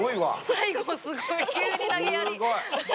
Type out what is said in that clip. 最後すごい急になげやり。